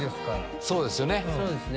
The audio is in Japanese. そうですよね。